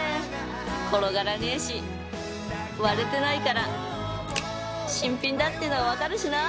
転がらねえし割れてないから新品だっての分かるしな！